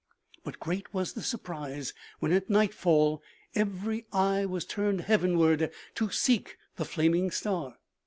But .?<? OMEGA. great was the surprise when at nightfall every eye was turned heavenward to seek the flaming star.